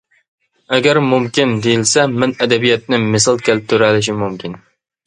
ئەگەر «مۇمكىن» دېيىلسە، مەن ئەدەبىياتنى مىسال كەلتۈرەلىشىم مۇمكىن.